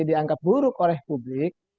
dianggap buruk oleh publik